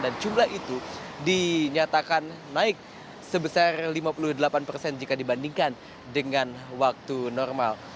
dan jumlah itu dinyatakan naik sebesar lima puluh delapan persen jika dibandingkan dengan waktu normal